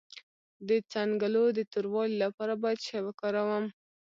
د څنګلو د توروالي لپاره باید څه شی وکاروم؟